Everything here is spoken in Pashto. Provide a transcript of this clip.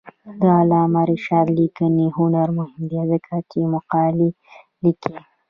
د علامه رشاد لیکنی هنر مهم دی ځکه چې مقالې لیکي.